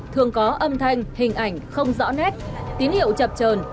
thường có âm thanh hình ảnh không rõ nét tín hiệu chập trờn